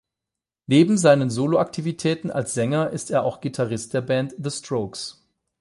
Neben seinen Soloaktivitäten als Sänger ist er auch Gitarrist der Band The Strokes.